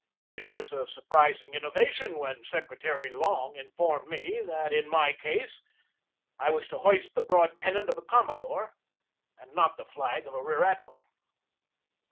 It was a surprising in novation when Secretary Long informed me that in my case I was to hoist the broad pennant of a com modore and not the flag of a rear admiral.